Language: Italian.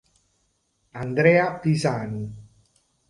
Andrea Pisani